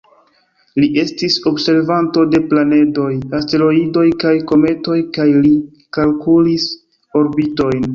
Li estis observanto de planedoj, asteroidoj kaj kometoj kaj li kalkulis orbitojn.